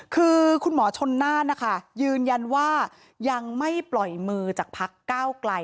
คือคุณหมอชนน่านนะคะยืนยันว่ายังไม่ปล่อยมือจากพักก้าวไกล